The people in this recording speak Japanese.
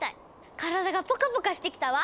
体がポカポカしてきたわ。